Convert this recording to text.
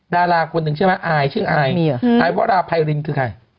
ดารากลุคนหนึ่งใช่ไหมใจวราภัยรินหรือใคร